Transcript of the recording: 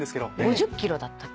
５０ｋｇだったっけ？